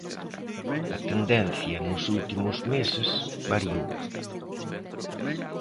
A tendencia nos últimos meses variou.